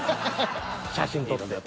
写真撮って。